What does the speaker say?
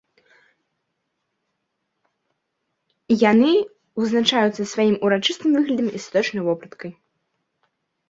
Яны вызначаюцца сваім урачыстым выглядам і святочнай вопраткай.